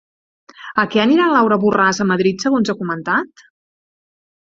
A què anirà Laura Borràs a Madrid segons ha comentat?